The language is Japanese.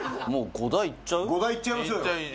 五大いっちゃいましょうよ。